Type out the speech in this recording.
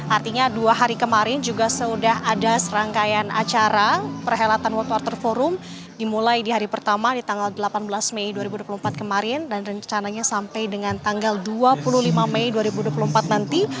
artinya dua hari kemarin juga sudah ada serangkaian acara perhelatan world water forum dimulai di hari pertama di tanggal delapan belas mei dua ribu dua puluh empat kemarin dan rencananya sampai dengan tanggal dua puluh lima mei dua ribu dua puluh empat nanti